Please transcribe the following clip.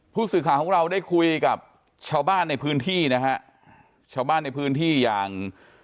ผู้สื่อข่าวของเราได้คุยกับชาวบ้านในพื้นที่นะฮะชาวบ้านในพื้นที่อย่าง